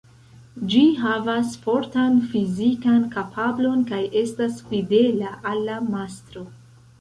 Ĝi havas fortan fizikan kapablon kaj estas fidela al la mastro.